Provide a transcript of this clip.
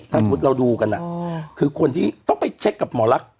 สมมติเราดูกันคือควรจะต้องไปเช็คกับหมอรัฐ